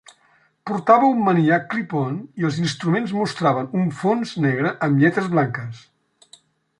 Portava un manillar clip-on i els instruments mostraven un fons negre amb lletres blanques.